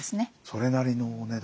それなりのお値段。